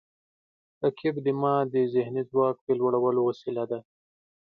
رقیب زما د ذهني ځواک د لوړولو وسیله ده